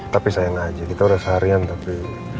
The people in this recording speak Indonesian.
tapi sayang aja kita udah seharian tapi